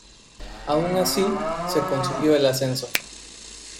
Aun así, se consiguió el ascenso.